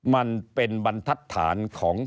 มันเป็นบรรทัดฐาน